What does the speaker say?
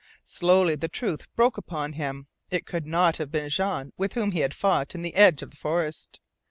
Slowly the truth broke upon him. It could not have been Jean with whom he had fought in the edge of the forest!